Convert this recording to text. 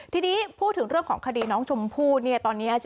ทีนี้พูดถึงเรื่องของคดีน้องชมพู่เนี่ยตอนนี้